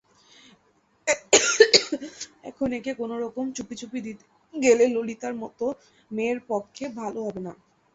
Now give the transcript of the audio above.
এখন একে কোনোরকমে চাপাচুপি দিতে গেলে ললিতার মতো মেয়ের পক্ষে ভালো হবে না।